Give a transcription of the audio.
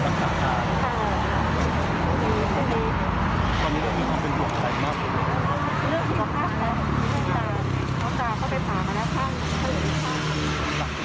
ดวงตาเขาเป็นสามแนวทาง